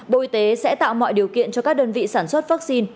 bộ y tế sẽ tạo mọi điều kiện cho các đơn vị sản xuất vaccine